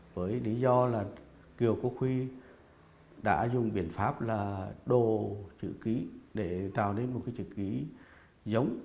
với lý do là kiều quốc huy đã dùng biện pháp là đồ chữ ký để tạo nên một cái chữ ký giống